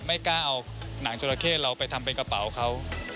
ไม่กล้าเอาหนังจราเข้เราไปทำเป็นกระเป๋าเขา